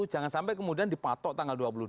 jangan sampai kemudian dipatok tanggal dua puluh dua